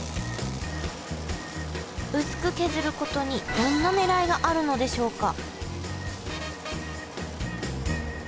薄く削ることにどんなねらいがあるのでしょうか？